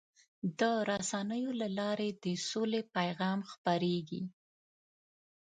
د رسنیو له لارې د سولې پیغام خپرېږي.